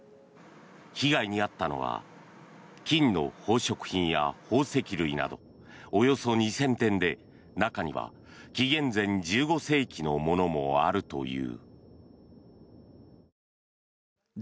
被害にあったのは金の宝飾品や宝石類などおよそ２０００点で中には紀元前１５世紀のものもあるという。